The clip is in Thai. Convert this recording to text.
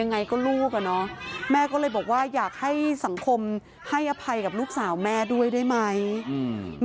ยังไงก็ลูกอ่ะเนอะแม่ก็เลยบอกว่าอยากให้สังคมให้อภัยกับลูกสาวแม่ด้วยได้ไหมอืม